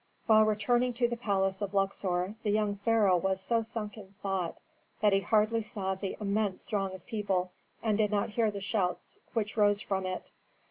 While returning to the palace of Luxor the young pharaoh was so sunk in thought that he hardly saw the immense throng of people and did not hear the shouts which rose from it.